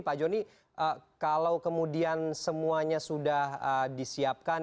pak joni kalau kemudian semuanya sudah disiapkan